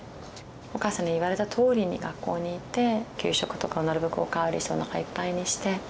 お母さんに言われたとおりに学校に行って給食とかをなるべくおかわりしておなかいっぱいにして。